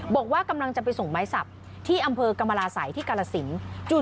บอกว่ากำลังจะไปส่งไม้สับที่อำเภอกรรมราศัยที่กาลสิน